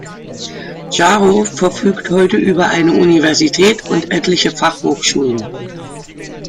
Jaro verfügt heute über eine Universität und etliche Fachhochschulen.